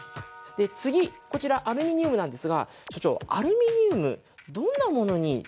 で次こちらアルミニウムなんですが所長アルミニウムどんなものに使われていますかね？